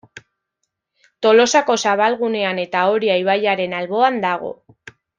Tolosako zabalgunean eta Oria ibaiaren alboan dago.